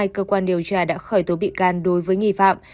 cơ quan điều tra đã khởi tố bị can đối với nghi phạm